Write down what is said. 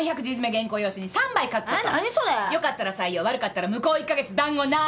よかったら採用悪かったら向こう１か月団子なし！